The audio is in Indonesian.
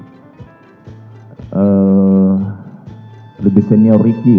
riki lebih senior riki ya